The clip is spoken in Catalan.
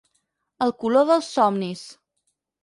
El color dels somnis”.